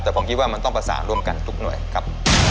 แต่ผมคิดว่ามันต้องประสานร่วมกันทุกหน่วยครับ